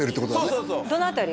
そうそうそうどの辺り？